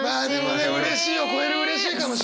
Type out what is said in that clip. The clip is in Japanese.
うれしいを超えるうれしいかもしれない。